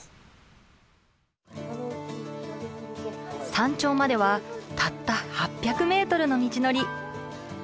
山頂まではたった８００メートルの道のり。